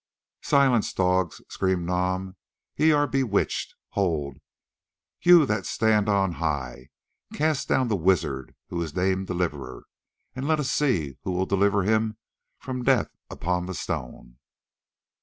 "Silence, dogs!" screamed Nam, "ye are bewitched. Ho! you that stand on high, cast down the wizard who is named Deliverer, and let us see who will deliver him from death upon the stone."